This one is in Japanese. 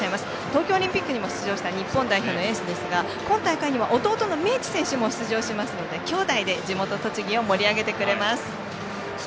東京オリンピックにも出場した日本代表のエースですが今大会には弟の明智選手も出場しますから兄弟で盛り上げてくれます。